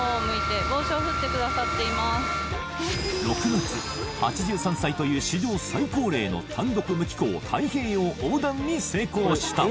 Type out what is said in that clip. ６月８３歳という史上最高齢の単独無寄港太平洋横断に成功した。